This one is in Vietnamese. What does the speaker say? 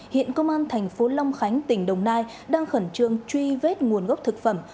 hiện công an thành phố long khánh tỉnh đồng nai đang khẩn trương truy vết nguồn gốc thực phẩm